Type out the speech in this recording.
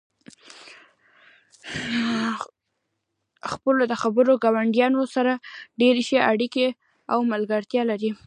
هغه د خپلو ګاونډیانو سره ډیرې ښې اړیکې او ملګرتیا لري